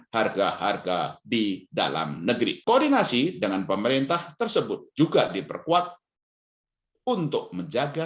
harga harga di dalam negeri koordinasi dengan pemerintah tersebut juga diperkuat untuk menjaga